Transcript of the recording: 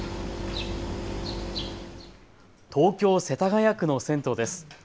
東京世田谷区の銭湯です。